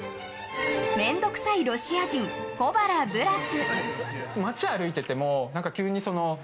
面倒くさいロシア人、小原ブラス。